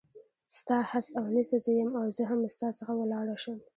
ستا هست او نیست زه یم او زه هم ستا څخه ولاړه شم.